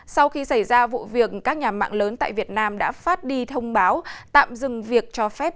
sau khi xảy ra vụ việc các nhà mạng lớn tại việt nam đã phát đi thông báo tạm dừng việc cho phép